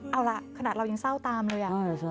เอาล่ะขนาดเรายังเศร้าตามเลย